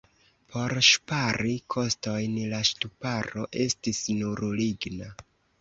Por ŝpari kostojn la ŝtuparo estis nur ligna.